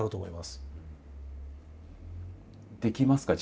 できますか？